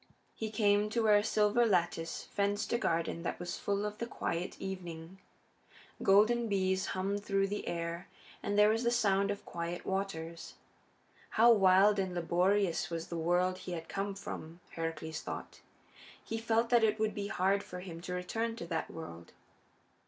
He came to where a silver lattice fenced a garden that was full of the quiet of evening. Golden bees hummed through the air, and there was the sound of quiet waters. How wild and laborious was the world he had come from, Heracles thought! He felt that it would be hard for him to return to that world.